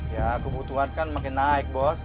ya kebutuhan kan makin naik bos